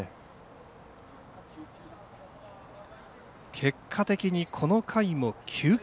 結果的に、この回も９球。